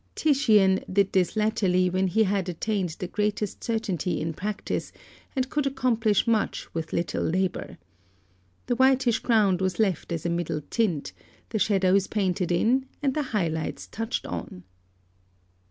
Titian did this latterly when he had attained the greatest certainty in practice, and could accomplish much with little labour. The whitish ground was left as a middle tint, the shadows painted in, and the high lights touched on.